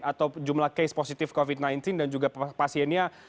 atau jumlah case positif covid sembilan belas dan juga pasiennya